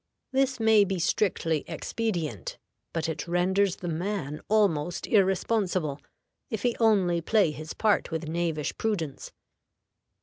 This may be strictly expedient, but it renders the man almost irresponsible if he only play his part with knavish prudence.